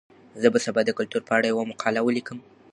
زه به سبا د کلتور په اړه یوه مقاله ولیکم.